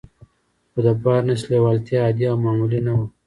خو د بارنس لېوالتیا عادي او معمولي نه وه.